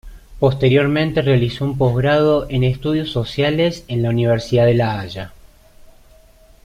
Posteriormente realizó un postgrado en Estudios Sociales en la Universidad de La Haya.